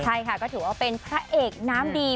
ใช่ค่ะก็ถือว่าเป็นพระเอกน้ำดี